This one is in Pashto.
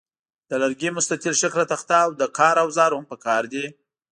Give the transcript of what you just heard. د لرګي مستطیل شکله تخته او د کار اوزار هم پکار دي.